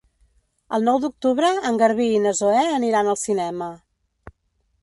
El nou d'octubre en Garbí i na Zoè aniran al cinema.